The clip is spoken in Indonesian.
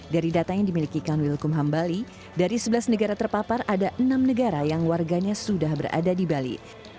dari data yang dimiliki kanwil kumham bali dari sebelas negara terpapar ada enam negara yang warganya sudah berada di bali